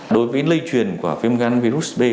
đối với lây truyền của viêm gan virus b